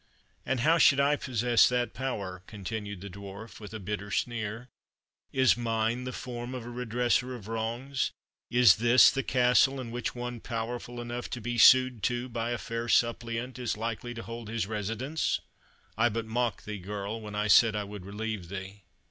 "And how should I possess that power?" continued the Dwarf, with a bitter sneer; "Is mine the form of a redresser of wrongs? Is this the castle in which one powerful enough to be sued to by a fair suppliant is likely to hold his residence? I but mocked thee, girl, when I said I would relieve thee."